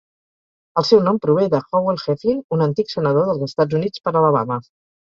El seu nom prové de Howell Heflin, un antic senador dels Estats Units per Alabama.